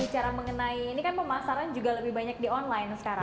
bicara mengenai ini kan pemasaran juga lebih banyak di online sekarang